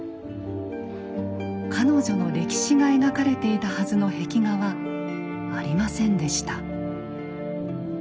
彼女の歴史が描かれていたはずの壁画はありませんでした。